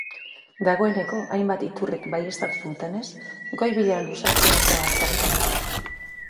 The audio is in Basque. Dagoneko, hainbat iturrik baieztatu dutenez, goi-bilera luzatzea ez da baztertzen.